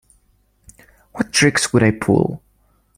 What tricks would I pull?